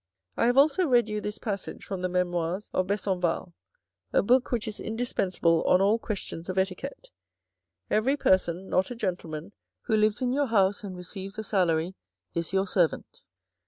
I have also read you this passage from the Memoirs of Besenval, a book which is indispensable on all questions of etiquette. ' Every person, not a gentleman, who lives in your house and receives a salary is your servant.'